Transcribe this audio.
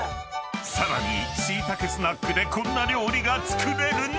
［さらにしいたけスナックでこんな料理が作れるの⁉］